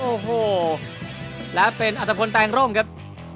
โอ้โหและเป็นอัตภัณฑ์แปลงร่มครับ